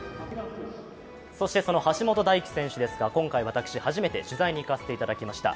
そして、その橋本大輝選手ですが、今回、私初めて取材に行かせていただきました。